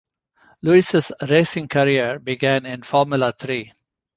Lewis' racing career began in Formula Three.